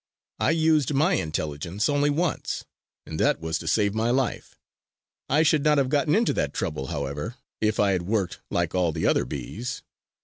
I used my intelligence only once and that was to save my life. I should not have gotten into that trouble, however, if I had worked, like all the other bees.